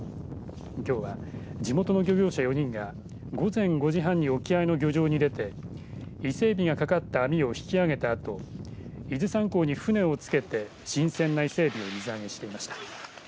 きょうは、地元の漁業者４人が午前５時半に沖合の漁場に出て伊勢えびがかかった網を引き揚げたあと伊豆山港に船を着けて新鮮な伊勢えびを水揚げしていました。